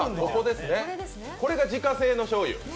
これが自家製のしょうゆ。